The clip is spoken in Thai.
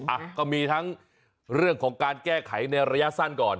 อ่ะก็มีทั้งเรื่องของการแก้ไขในระยะสั้นก่อน